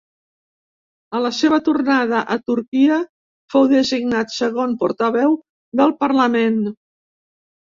A la seva tornada a Turquia, fou designat segon portaveu del parlament.